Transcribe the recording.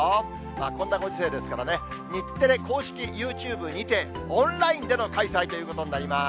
こんなご時世ですからね、日テレ公式ユーチューブにて、オンラインでの開催ということになります。